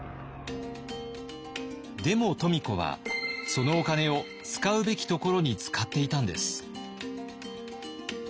でも富子はそのお金を使うべきところに使っていたんです。